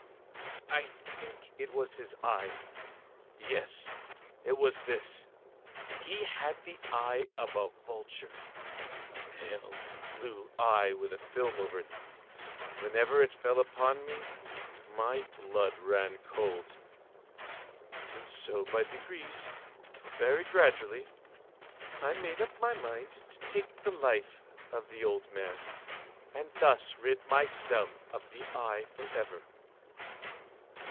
I think it was his eye! yes, it was this! He had the eye of a vulture—a pale blue eye, with a film over it. Whenever it fell upon me, my blood ran cold; and so by degrees—very gradually—I made up my mind to take the life of the old man, and thus rid myself of the eye forever.